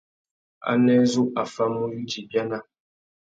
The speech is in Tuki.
Anē zu a famú yudza ibiana?